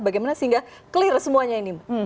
bagaimana sehingga clear semuanya ini